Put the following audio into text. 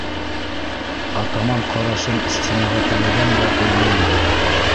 Атаман ҡарашын стенаға төбәгән дә һөйләүен белә.